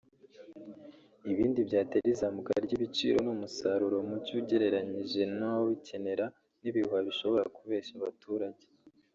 Ibindi byatera izamuka ry’ibiciro ni umusaruro muke ugereranyije n’abawukenera n’ibihuha bishobora kubeshya abaturage